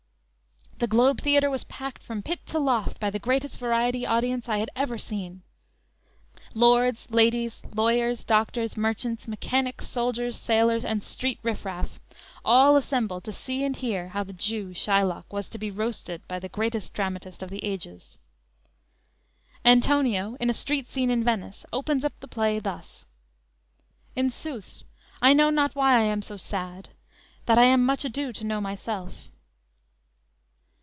The Globe Theatre was packed from pit to loft by the greatest variety audience I had ever seen; lords, ladies, lawyers, doctors, merchants, mechanics, soldiers, sailors, and street riff raff all assembled to see and hear how the Jew, Shylock, was to be roasted by the greatest dramatist of the ages. Antonio in a street scene in Venice opens up the play thus: _"In sooth, I know not why I am so sad; That I am much ado to know myself."